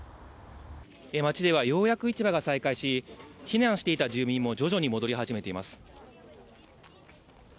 町ではようやく市場が再開し、避難していた住民も徐々に戻り始めています。